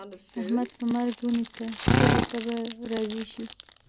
احمد په مرګ ونيسه؛ تبې ته به راضي شي.